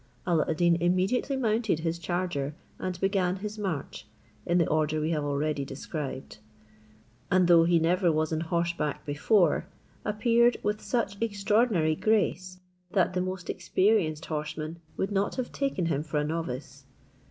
Alla ad Deen immediately mounted his charger, and began his march, in the order we have already described; and though he never was on horseback before, appeared with such extraordinary grace, that the most experienced horseman would not have taken him for a novice.